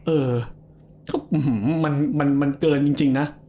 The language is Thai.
เออมันเกินจริงนะ